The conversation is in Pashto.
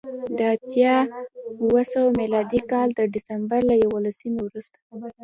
د اتیا اوه سوه میلادي کال د سپټمبر له یوولسمې وروسته